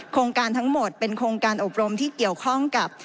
โครงการทั้งหมดเป็นโครงการอบรมที่เกี่ยวข้องกับ